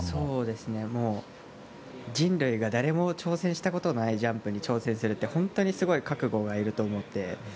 人類が誰も挑戦したことのないジャンプに挑戦するって、本当にすごい覚悟がいると思うので。